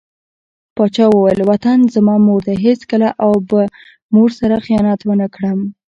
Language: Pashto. پاچا وويل: وطن زما مور دى هېڅکله او به مور سره خيانت ونه کړم .